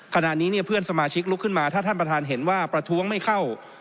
ขณะนี้เนี่ยเพื่อนสมาชิกลุกขึ้นมาถ้าท่านประธานเห็นว่าประท้วงไม่เข้า